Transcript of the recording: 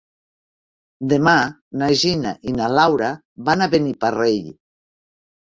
Demà na Gina i na Laura van a Beniparrell.